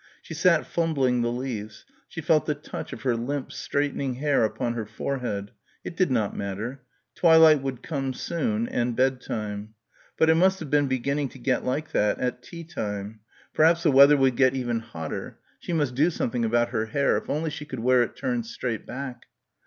She sat fumbling the leaves. She felt the touch of her limp straightening hair upon her forehead. It did not matter. Twilight would soon come, and bed time. But it must have been beginning to get like that at tea time. Perhaps the weather would get even hotter. She must do something about her hair ... if only she could wear it turned straight back.